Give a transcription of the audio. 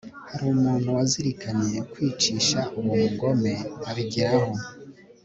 hari umuntu wazirikanye kwicisha uwo mugome abigeraho